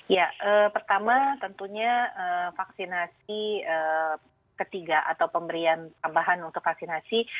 ya pertama tentunya vaksinasi ketiga atau pemberian tambahan untuk vaksinasi